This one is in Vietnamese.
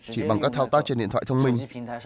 chỉ bằng các thao tác trên điện thoại thông minh